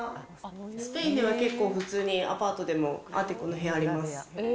スペインでは結構、普通にアパートでもアティコの部屋あります。